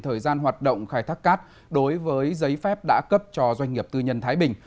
thời gian hoạt động khai thác cát đối với giấy phép đã cấp cho doanh nghiệp tư nhân thái bình